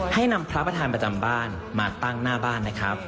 ให้นำพระประธานประจำบ้านมาตั้งหน้าบ้านนะครับ